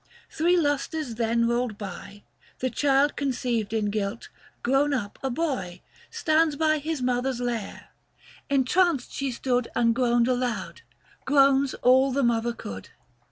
Three lustres then rolled by, 185 The child conceived in guilt, grown up a boy, Stands by his mother's lair ; entranced she stood And groaned aloud ; groans all the mother could.